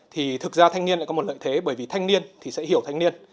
thì thực ra thanh niên lại có một lợi thế bởi vì thanh niên thì sẽ hiểu thanh niên